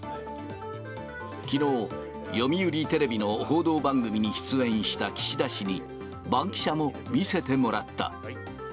きのう、読売テレビの報道番組に出演した岸田氏に、バンキシャも見せてもらった。